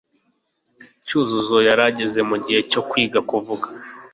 Cyuzuzo yari ageze mu gihe cyo kwiga kuvuga